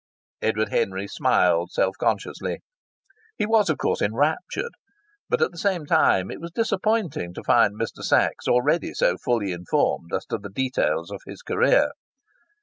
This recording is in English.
Edward Henry smiled self consciously. He was, of course, enraptured, but at the same time it was disappointing to find Mr. Sachs already so fully informed as to the details of his career.